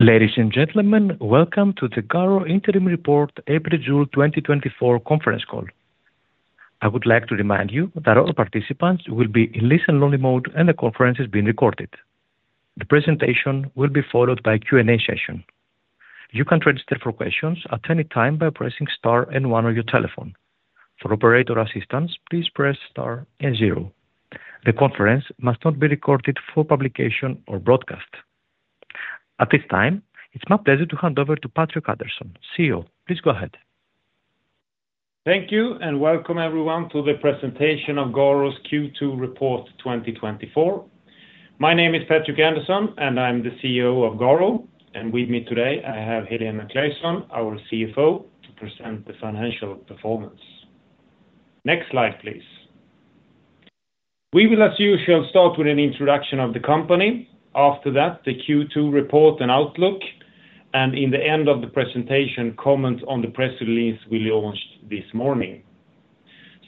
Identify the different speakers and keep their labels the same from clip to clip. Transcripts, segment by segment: Speaker 1: Ladies and gentlemen, welcome to the GARO Interim Report, April to June 2024 conference call. I would like to remind you that all participants will be in listen-only mode, and the conference is being recorded. The presentation will be followed by a Q&A session. You can register for questions at any time by pressing star and one on your telephone. For operator assistance, please press star and zero. The conference must not be recorded for publication or broadcast. At this time, it's my pleasure to hand over to Patrik Andersson, CEO. Please go ahead.
Speaker 2: Thank you, and welcome everyone to the presentation of GARO's Q2 report 2024. My name is Patrik Andersson, and I'm the CEO of GARO, and with me today, I have Helena Claesson, our CFO, to present the financial performance. Next slide, please. We will, as usual, start with an introduction of the company. After that, the Q2 report and outlook, and in the end of the presentation, comment on the press release we launched this morning.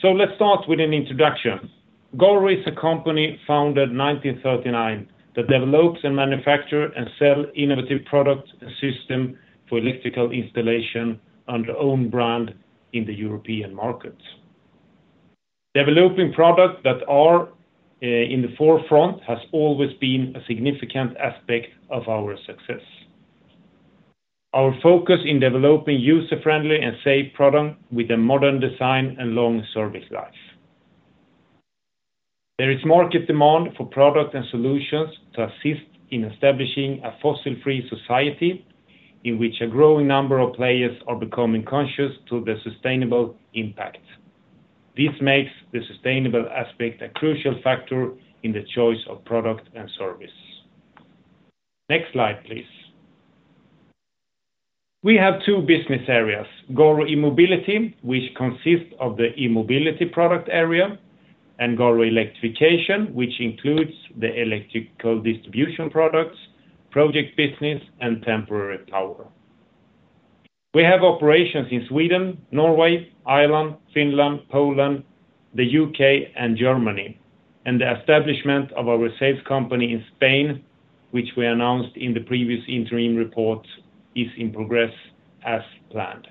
Speaker 2: So let's start with an introduction. GARO is a company founded in 1939 that develops and manufacture and sell innovative products and system for electrical installation under own brand in the European markets. Developing products that are in the forefront has always been a significant aspect of our success. Our focus in developing user-friendly and safe product with a modern design and long service life. There is market demand for product and solutions to assist in establishing a fossil-free society, in which a growing number of players are becoming conscious to the sustainable impact. This makes the sustainable aspect a crucial factor in the choice of product and service. Next slide, please. We have two business areas, GARO E-Mobility, which consists of the E-Mobility product area, and GARO Electrification, which includes the electrical distribution products, project business, and temporary power. We have operations in Sweden, Norway, Ireland, Finland, Poland, the UK, and Germany, and the establishment of our sales company in Spain, which we announced in the previous interim report, is in progress as planned.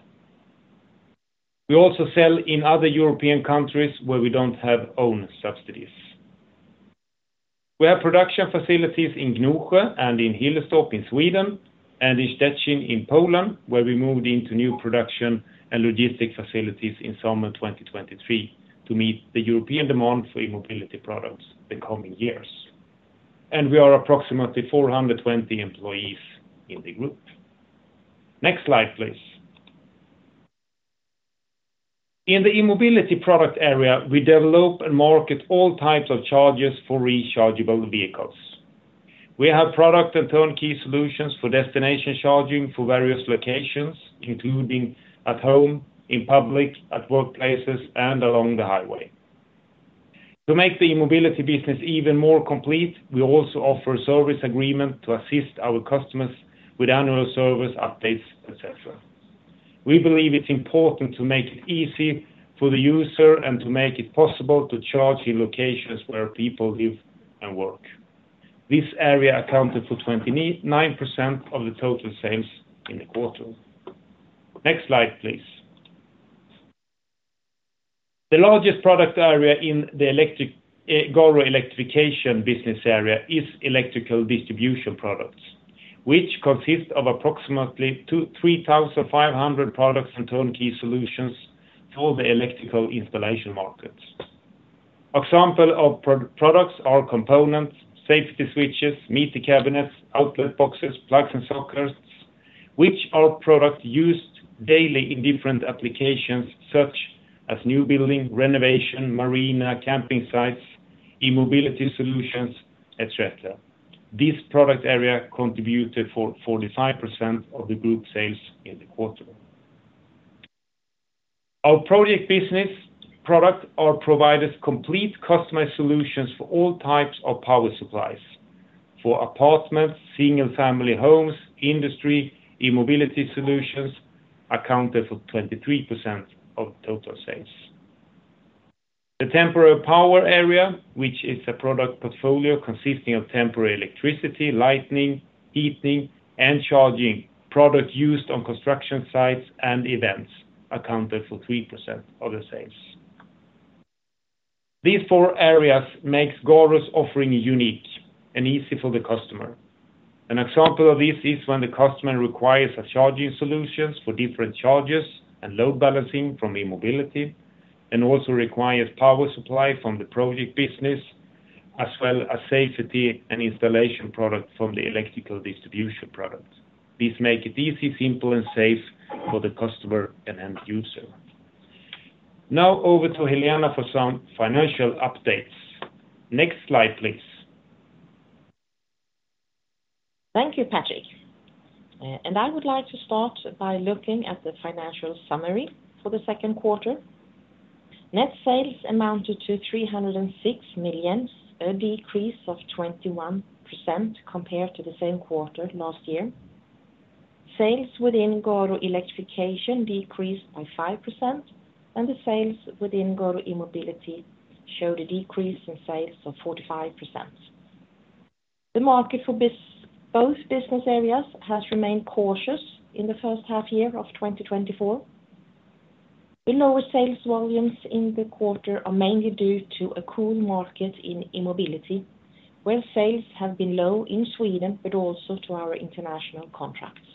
Speaker 2: We also sell in other European countries where we don't have own subsidiaries. We have production facilities in Gnosjö and in Hillerstorp in Sweden, and in Szczecin in Poland, where we moved into new production and logistics facilities in summer 2023 to meet the European demand for E-Mobility products the coming years. We are approximately 420 employees in the group. Next slide, please. In the E-Mobility product area, we develop and market all types of chargers for rechargeable vehicles. We have product and turnkey solutions for destination charging for various locations, including at home, in public, at workplaces, and along the highway. To make the E-Mobility business even more complete, we also offer a service agreement to assist our customers with annual service, updates, et cetera. We believe it's important to make it easy for the user and to make it possible to charge in locations where people live and work. This area accounted for 29% of the total sales in the quarter. Next slide, please. The largest product area in the electric GARO Electrification business area is electrical distribution products, which consist of approximately 2,000-3,500 products and turnkey solutions to all the electrical installation markets. Example of products are components, safety switches, meter cabinets, outlet boxes, plugs, and sockets, which are products used daily in different applications, such as new building, renovation, marina, camping sites, E-mobility solutions, et cetera. This product area contributed for 45% of the group sales in the quarter. Our project business product area provides complete customized solutions for all types of power supplies. For apartments, single-family homes, industry, E-mobility solutions accounted for 23% of total sales. The temporary power area, which is a product portfolio consisting of temporary electricity, lighting, heating, and charging, product used on construction sites and events, accounted for 3% of the sales. These four areas makes GARO's offering unique and easy for the customer. An example of this is when the customer requires a charging solutions for different chargers and load balancing from E-mobility, and also requires power supply from the project business, as well as safety and installation product from the electrical distribution products. This make it easy, simple, and safe for the customer and end user. Now over to Helena for some financial updates. Next slide, please.
Speaker 3: Thank you, Patrik. And I would like to start by looking at the financial summary for the second quarter. Net sales amounted to 306 million, a decrease of 21% compared to the same quarter last year. Sales within GARO Electrification decreased by 5%, and the sales within GARO E-mobility showed a decrease in sales of 45%. The market for both business areas has remained cautious in the first half year of 2024. The lower sales volumes in the quarter are mainly due to a cool market in E-mobility, where sales have been low in Sweden, but also to our international contracts.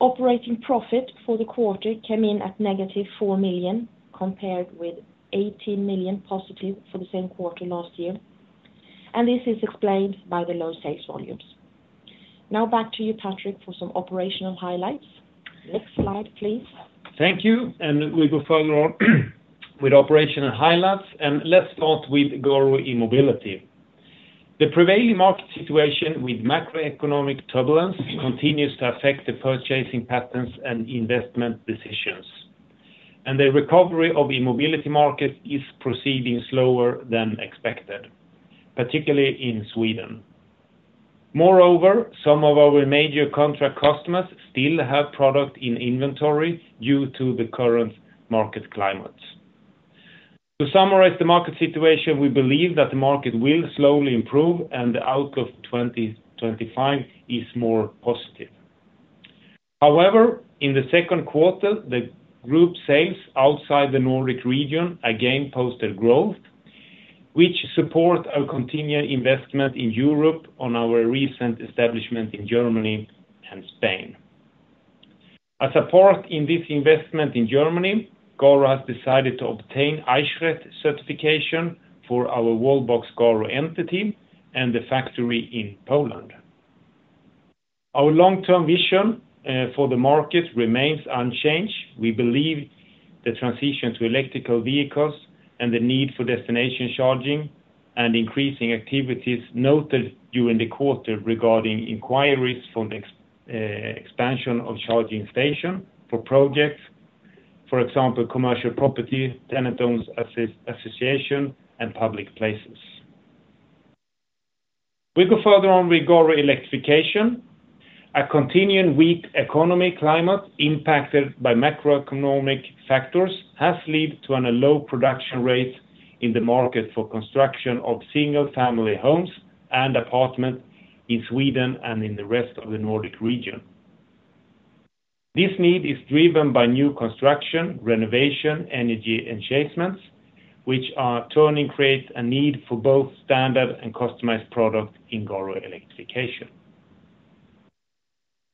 Speaker 3: Operating profit for the quarter came in at -4 million, compared with 18 million positive for the same quarter last year, and this is explained by the low sales volumes. Now back to you, Patrik, for some operational highlights. Next slide, please.
Speaker 2: Thank you, and we go further on with operational highlights, and let's start with GARO E-mobility. The prevailing market situation with macroeconomic turbulence continues to affect the purchasing patterns and investment decisions, and the recovery of e-mobility market is proceeding slower than expected, particularly in Sweden. Moreover, some of our major contract customers still have product in inventory due to the current market climate. To summarize the market situation, we believe that the market will slowly improve and the outlook for 2025 is more positive. However, in the second quarter, the group sales outside the Nordic region again posted growth, which support our continued investment in Europe on our recent establishment in Germany and Spain. As a part in this investment in Germany, GARO has decided to obtain Eichrecht certification for our wallbox GARO Entity and the factory in Poland. Our long-term vision for the market remains unchanged. We believe the transition to electric vehicles and the need for destination charging and increasing activities noted during the quarter regarding inquiries for the expansion of charging station for projects, for example, commercial property, tenant-owners' association, and public places. We go further on with GARO Electrification. A continuing weak economic climate, impacted by macroeconomic factors, has led to a low production rate in the market for construction of single-family homes and apartments in Sweden and in the rest of the Nordic region. This need is driven by new construction, renovation, energy enhancements, which in turn create a need for both standard and customized products in GARO Electrification.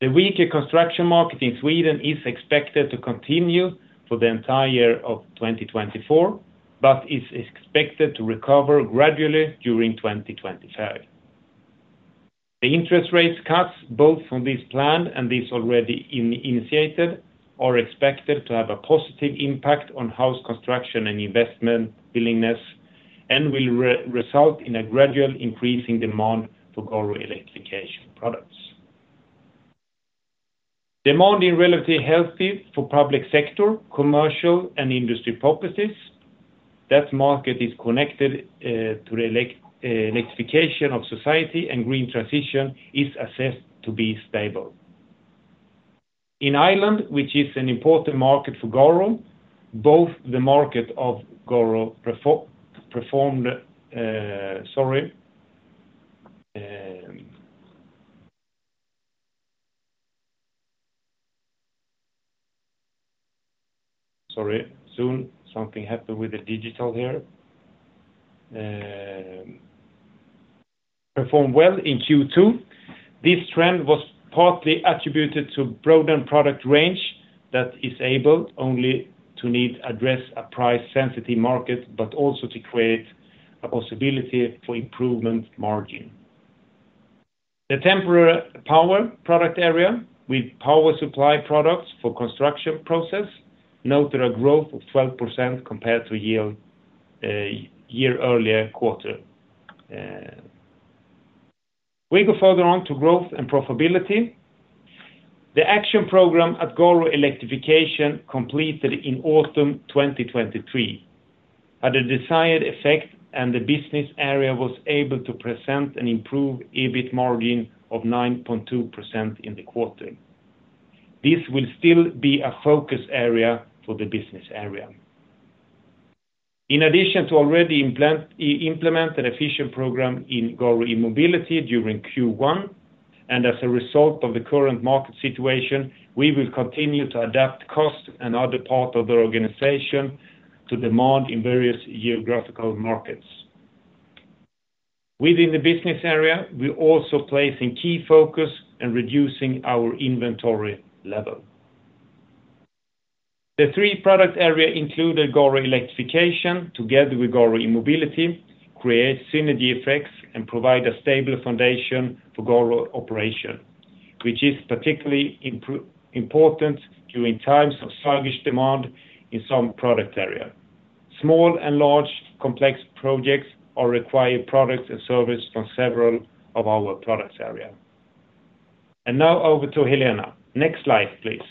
Speaker 2: The weaker construction market in Sweden is expected to continue for the entire year of 2024, but is expected to recover gradually during 2025. The interest rates cuts, both from this plan and this already initiated, are expected to have a positive impact on house construction and investment willingness, and will result in a gradual increase in demand for GARO Electrification products. Demand is relatively healthy for public sector, commercial, and industry purposes. That market is connected to the electrification of society, and green transition is assessed to be stable. In Ireland, which is an important market for GARO, GARO performed well in Q2. This trend was partly attributed to broaden product range that is able only to address a price-sensitive market, but also to create a possibility for improvement margin. The temporary power product area, with power supply products for construction process, noted a growth of 12% compared to year, year earlier quarter. We go further on to growth and profitability. The action program at GARO Electrification, completed in autumn 2023, had a desired effect, and the business area was able to present an improved EBIT margin of 9.2% in the quarter. This will still be a focus area for the business area. In addition to already implement an efficient program in GARO E-mobility during Q1, and as a result of the current market situation, we will continue to adapt costs and other parts of the organization to demand in various geographical markets. Within the business area, we're also placing key focus in reducing our inventory level. The three product areas include the GARO Electrification, together with GARO E-mobility, create synergy effects and provide a stable foundation for GARO operations, which is particularly important during times of sluggish demand in some product areas. Small and large complex projects are requiring products and services from several of our product areas. Now over to Helena. Next slide, please.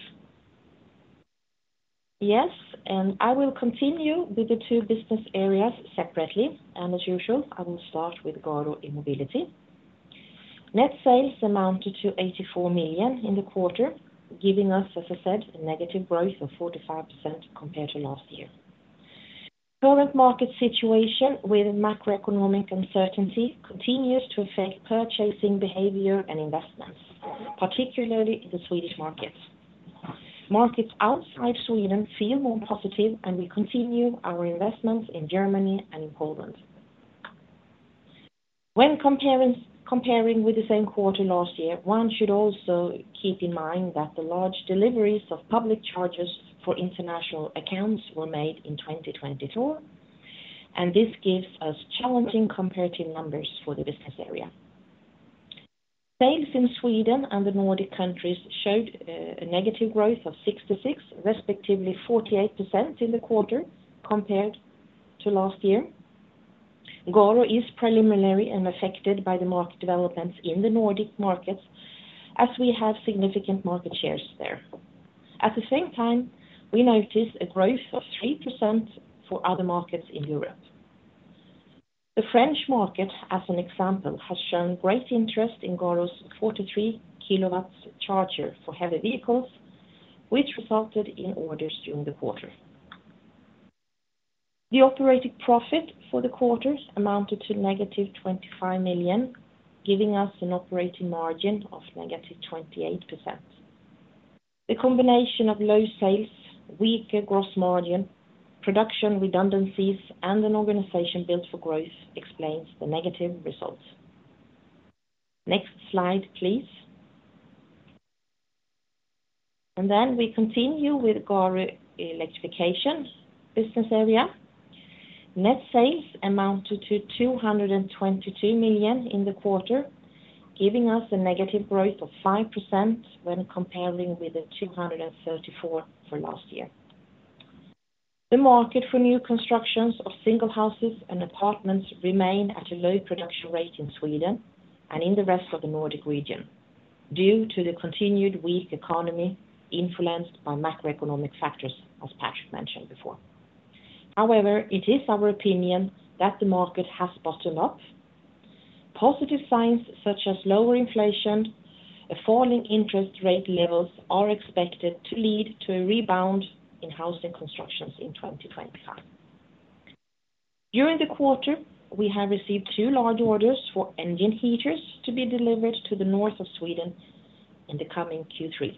Speaker 3: Yes, and I will continue with the two business areas separately, and as usual, I will start with GARO E-mobility. Net sales amounted to 84 million in the quarter, giving us, as I said, a negative growth of 45% compared to last year. Current market situation with macroeconomic uncertainty continues to affect purchasing behavior and investments, particularly in the Swedish markets. Markets outside Sweden feel more positive, and we continue our investments in Germany and in Poland. When comparing with the same quarter last year, one should also keep in mind that the large deliveries of public chargers for international accounts were made in 2024, and this gives us challenging comparative numbers for the business area. Sales in Sweden and the Nordic countries showed a negative growth of 66%, respectively, 48% in the quarter compared to last year. GARO is preliminary and affected by the market developments in the Nordic markets, as we have significant market shares there. At the same time, we noticed a growth of 3% for other markets in Europe. The French market, as an example, has shown great interest in GARO's 43 kW charger for heavy vehicles, which resulted in orders during the quarter. The operating profit for the quarters amounted to -25 million, giving us an operating margin of -28%. The combination of low sales, weaker gross margin, production redundancies, and an organization built for growth explains the negative results. Next slide, please. And then we continue with GARO Electrification business area. Net sales amounted to 222 million in the quarter, giving us a negative growth of 5% when comparing with the 234 million for last year. The market for new constructions of single houses and apartments remain at a low production rate in Sweden and in the rest of the Nordic region, due to the continued weak economy influenced by macroeconomic factors, as Patrik mentioned before. However, it is our opinion that the market has bottomed up. Positive signs such as lower inflation, a falling interest rate levels are expected to lead to a rebound in housing constructions in 2025. During the quarter, we have received two large orders for engine heaters to be delivered to the north of Sweden in the coming Q3.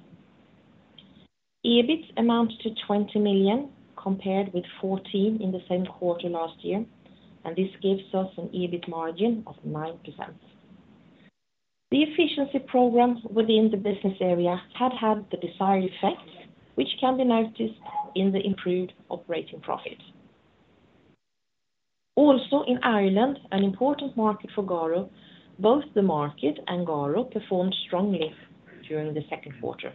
Speaker 3: EBIT amounts to 20 million, compared with 14 million in the same quarter last year, and this gives us an EBIT margin of 9%. The efficiency program within the business area had the desired effect, which can be noticed in the improved operating profit. Also, in Ireland, an important market for GARO, both the market and GARO performed strongly during the second quarter.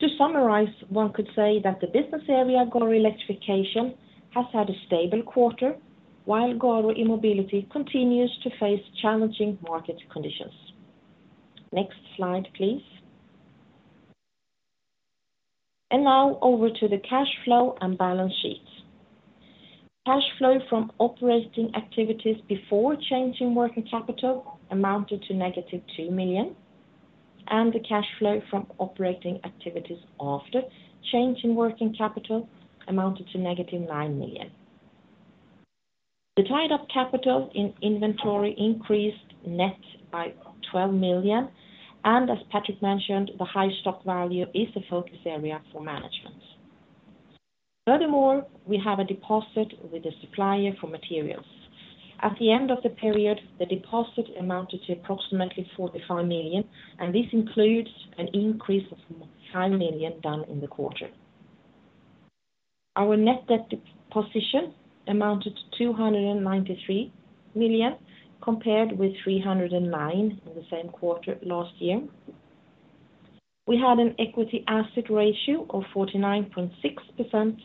Speaker 3: To summarize, one could say that the business area, GARO Electrification, has had a stable quarter, while GARO E-Mobility continues to face challenging market conditions. Next slide, please. And now over to the cash flow and balance sheet. Cash flow from operating activities before changing working capital amounted to -2 million, and the cash flow from operating activities after change in working capital amounted to -9 million. The tied-up capital in inventory increased net by 12 million, and as Patrik mentioned, the high stock value is a focus area for management. Furthermore, we have a deposit with a supplier for materials. At the end of the period, the deposit amounted to approximately 45 million, and this includes an increase of 5 million done in the quarter. Our net debt position amounted to 293 million, compared with 309 million in the same quarter last year. We had an equity asset ratio of 49.6%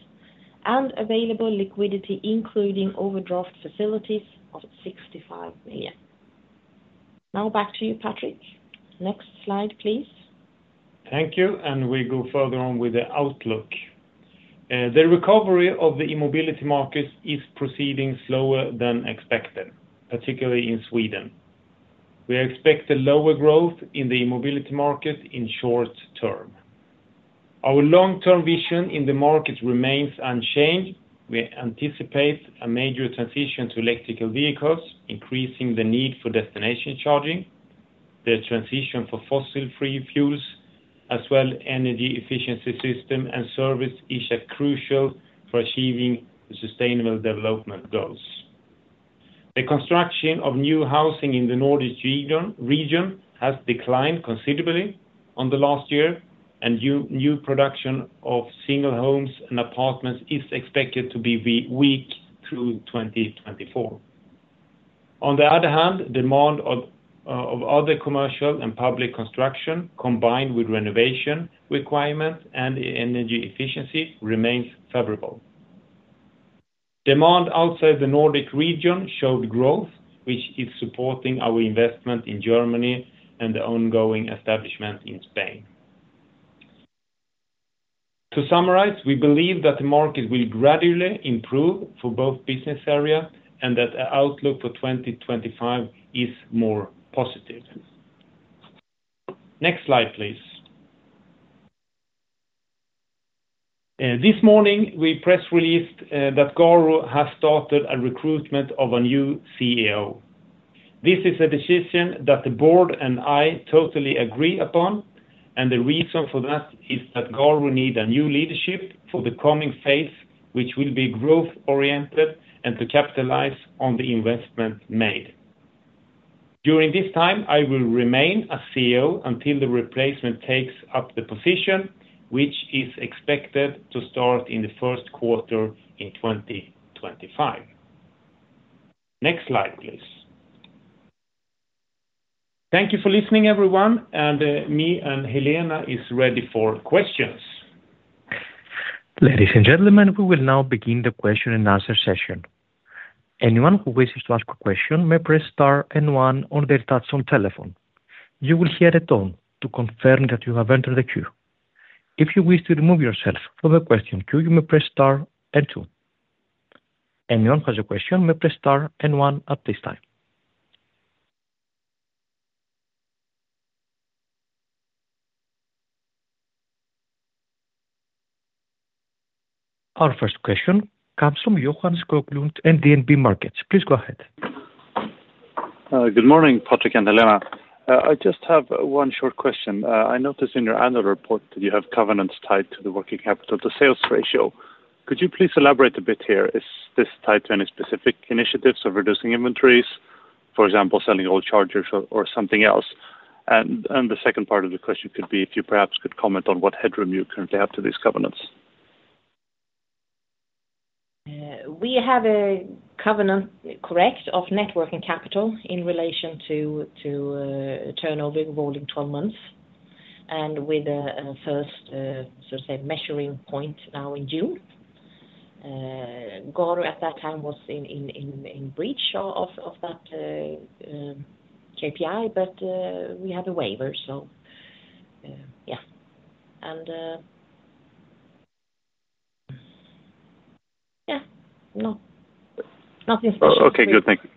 Speaker 3: and available liquidity, including overdraft facilities, of 65 million. Now back to you, Patrik. Next slide, please.
Speaker 2: Thank you, and we go further on with the outlook. The recovery of the E-Mobility market is proceeding slower than expected, particularly in Sweden. We expect a lower growth in the E-Mobility market in short term. Our long-term vision in the market remains unchanged. We anticipate a major transition to electrical vehicles, increasing the need for destination charging, the transition for fossil-free fuels, as well energy efficiency system and service is a crucial for achieving the sustainable development goals. The construction of new housing in the Nordic region has declined considerably on the last year, and new production of single homes and apartments is expected to be weak through 2024. On the other hand, demand of other commercial and public construction, combined with renovation requirements and energy efficiency, remains favorable. Demand outside the Nordic region showed growth, which is supporting our investment in Germany and the ongoing establishment in Spain. To summarize, we believe that the market will gradually improve for both business area, and that our outlook for 2025 is more positive. Next slide, please. This morning, we press released that GARO has started a recruitment of a new CEO. This is a decision that the board and I totally agree upon, and the reason for that is that GARO need a new leadership for the coming phase, which will be growth-oriented and to capitalize on the investment made. During this time, I will remain as CEO until the replacement takes up the position, which is expected to start in the first quarter in 2025. Next slide, please. Thank you for listening, everyone, and me and Helena is ready for questions.
Speaker 1: Ladies and gentlemen, we will now begin the question and answer session. Anyone who wishes to ask a question may press star and one on their touchtone telephone. You will hear a tone to confirm that you have entered the queue. If you wish to remove yourself from the question queue, you may press star and two. Anyone who has a question may press star and one at this time. Our first question comes from Johan Skoglund in DNB Markets. Please go ahead.
Speaker 4: Good morning, Patrik and Helena. I just have one short question. I noticed in your annual report that you have covenants tied to the working capital, the sales ratio. Could you please elaborate a bit here? Is this tied to any specific initiatives of reducing inventories, for example, selling old chargers or, or something else? And, and the second part of the question could be, if you perhaps could comment on what headroom you currently have to these covenants.
Speaker 3: We have a covenant, correct, of net working capital in relation to to turnover involving 12 months, and with a first so to say measuring point now in June. GARO at that time was in breach of that KPI, but we have a waiver, so yeah. Yeah, no, nothing special.
Speaker 4: Oh, okay, good. Thank you.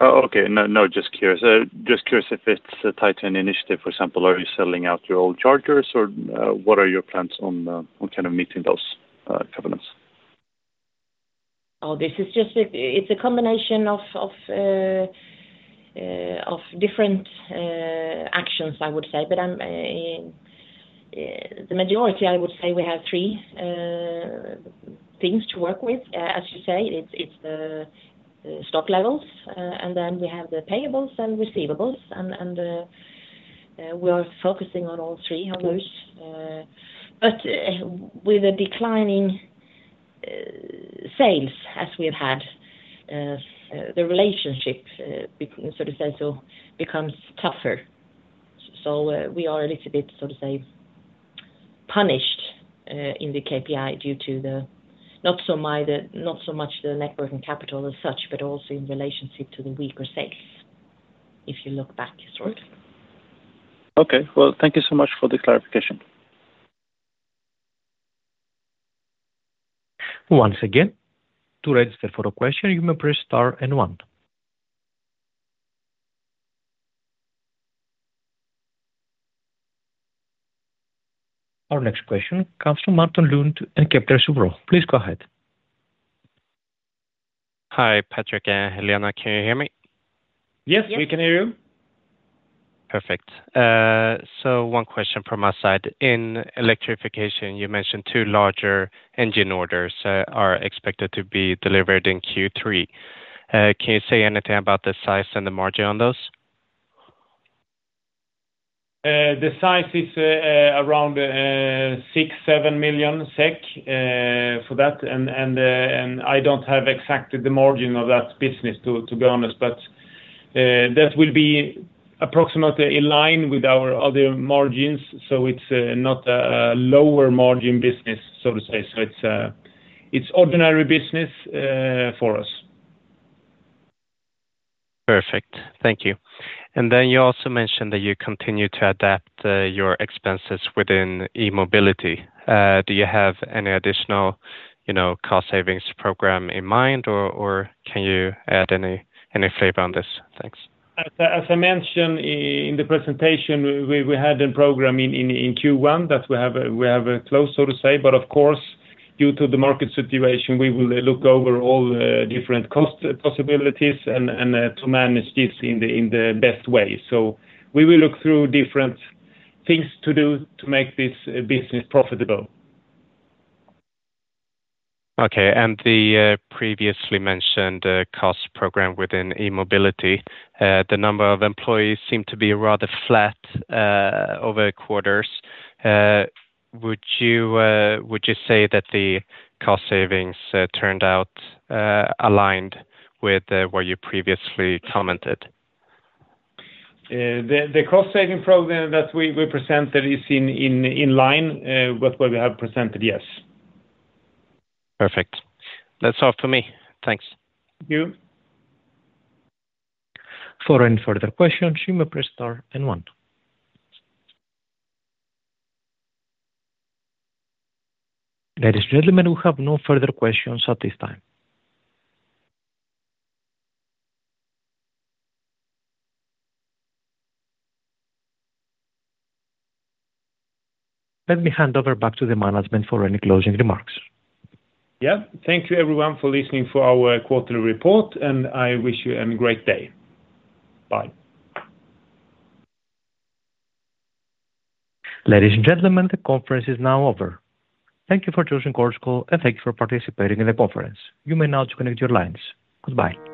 Speaker 4: Oh, okay, no, no, just curious if it's tied to an initiative. For example, are you selling out your old chargers, or, what are your plans on on kind of meeting those covenants?
Speaker 3: Oh, this is just a—it's a combination of different actions, I would say, but I'm the majority, I would say we have three things to work with, as you say. It's the stock levels, and then we have the payables and receivables, and we are focusing on all three of those. But with a declining sales as we've had, the relationships so to say so becomes tougher. So, we are a little bit, so to say, punished in the KPI due to the, not so much the net working capital as such, but also in relationship to the weaker sales, if you look back history.
Speaker 4: Okay. Well, thank you so much for the clarification.
Speaker 1: Once again, to register for a question, you may press star and one. Our next question comes from Anton Lund at Kepler Cheuvreux. Please go ahead.
Speaker 5: Hi, Patrik and Helena. Can you hear me?
Speaker 2: Yes, we can hear you.
Speaker 5: Perfect. So one question from my side. In electrification, you mentioned two larger engine orders are expected to be delivered in Q3. Can you say anything about the size and the margin on those?
Speaker 2: The size is around 6-7 million SEK for that, and I don't have exactly the margin of that business, to be honest, but that will be approximately in line with our other margins. So it's ordinary business for us.
Speaker 5: Perfect. Thank you. And then you also mentioned that you continue to adapt your expenses within e-mobility. Do you have any additional, you know, cost savings program in mind or can you add any flavor on this? Thanks.
Speaker 2: As I mentioned in the presentation, we had a program in Q1 that we have a close, so to say, but of course, due to the market situation, we will look over all different cost possibilities and to manage this in the best way. So we will look through different things to do to make this business profitable.
Speaker 5: Okay, and the previously mentioned cost program within e-mobility, the number of employees seem to be rather flat over quarters. Would you say that the cost savings turned out aligned with what you previously commented?
Speaker 2: The cost-saving program that we presented is in line with what we have presented. Yes.
Speaker 5: Perfect. That's all for me. Thanks.
Speaker 2: Thank you.
Speaker 1: For any further questions, you may press star and one. Ladies and gentlemen, we have no further questions at this time. Let me hand over back to the management for any closing remarks.
Speaker 2: Yeah. Thank you, everyone, for listening for our quarterly report, and I wish you a great day. Bye.
Speaker 1: Ladies and gentlemen, the conference is now over. Thank you for choosing Chorus Call, and thank you for participating in the conference. You may now disconnect your lines. Goodbye.